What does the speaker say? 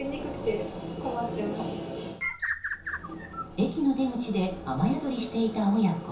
駅の出口で雨宿りしていた親子。